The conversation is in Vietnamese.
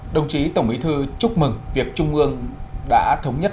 đồng chí tổng bí thư chúc mừng việc trung ương đã thống nhất